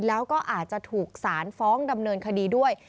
แล้วก็อาจจะถูกสารฟ้องดำเนินคดีด้วย